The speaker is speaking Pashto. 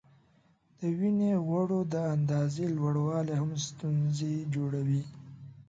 د وینې غوړو د اندازې لوړوالی هم ستونزې جوړوي.